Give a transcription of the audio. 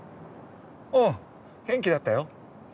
うん元気だったよ。